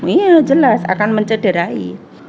iya jelas akan mencederai